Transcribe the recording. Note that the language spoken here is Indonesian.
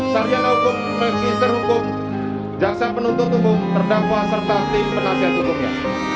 saryana ugung magister ugung jaksa penuntut ugung terdakwa serta tim penasihat ugungnya